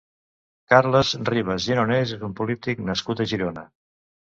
Carles Ribas Gironès és un polític nascut a Girona.